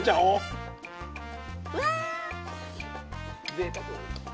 ぜいたく！